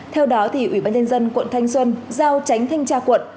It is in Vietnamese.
theo đó ủy ban nhân dân quận thanh xuân giao tránh thanh tra quận